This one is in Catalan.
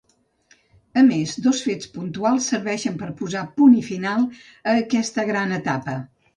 A més, dos fets puntuals serveixen per posar punt final a aquesta gran etapa.